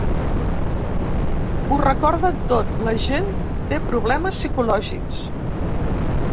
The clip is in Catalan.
Ho recorden tot, la gent té problemes psicològics.